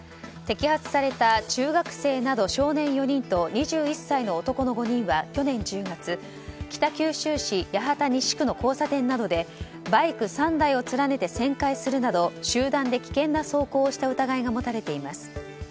摘発された中学生など少年４人と２１歳の男の５人は、去年１０月北九州市八幡西区の交差点などでバイク３台を連ねて旋回をするなど集団で危険な走行をした疑いが持たれています。